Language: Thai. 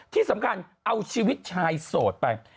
ที่สำคัญเอาชีวิตชายโสดไป